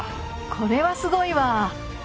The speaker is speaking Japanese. これはすごいわ。